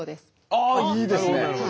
ああいいですね！